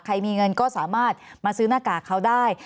มีเงินก็สามารถมาซื้อหน้ากากเขาได้